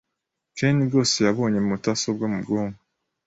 Ken rwose yabonye mudasobwa mubwonko.